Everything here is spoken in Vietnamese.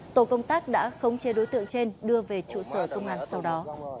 tổ công tác đã không chê đối tượng trên đưa về trụ sở công an sau đó